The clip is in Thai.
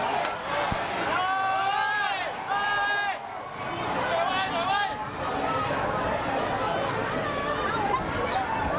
วิทยาลัยเมริกาวิทยาลัยเมริกา